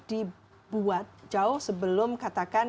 dibuat jauh sebelum katakan